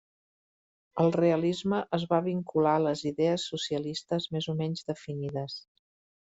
El realisme es va vincular les idees socialistes més o menys definides.